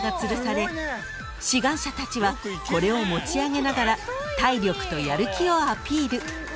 志願者たちはこれを持ち上げながら体力とやる気をアピール］